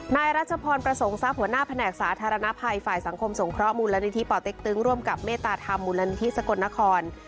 นายรัชพรประสงค์ทรัพย์หัวหน้าแผนกสาธารณภัยฝ่ายสังคมสงเคราะห์มูลนิธิป่อเต็กตึงร่วมกับเมตตาธรรมมูลนิธิสกลนคร